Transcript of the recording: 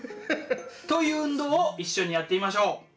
という運動を一緒にやってみましょう。